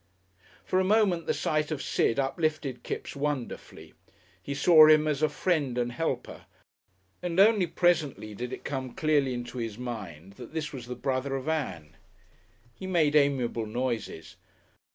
For a moment the sight of Sid uplifted Kipps wonderfully. He saw him as a friend and helper, and only presently did it come clearly into his mind that this was the brother of Ann. He made amiable noises.